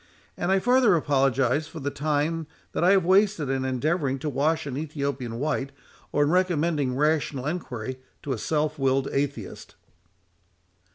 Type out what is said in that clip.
And I farther apologise for the time that I have wasted in endeavouring to wash an Ethiopian white, or in recommending rational enquiry to a self willed atheist."